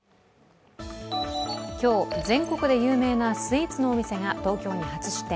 今日、全国で有名なスイーツのお店が東京に初出店。